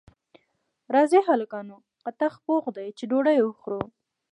راځئ هلکانو کتغ پوخ دی چې ډوډۍ وخورو